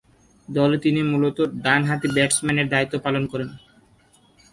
দলে তিনি মূলতঃ ডানহাতি ব্যাটসম্যানের দায়িত্ব পালন করেন।